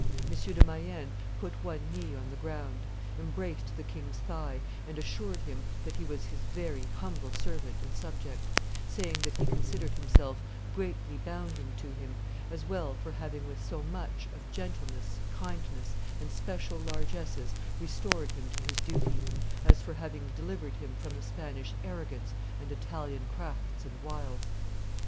M. de Mayenne put one knee on the ground, embraced the king's thigh, and assured him that he was his very humble servant and subject, saying that he considered himself greatly bounden to him, as well for having with so much, of gentleness, kindness, and special largesses restored him to his duty, as for having delivered him from Spanish arrogance and Italian crafts and wiles.